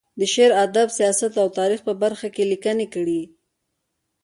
د شعر، ادب، سیاست او تاریخ په برخه کې یې لیکنې کړې.